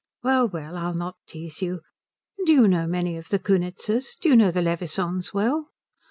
Well, well, I will not tease you. Do you know many of the Kunitzers? Do you know the Levisohns well?"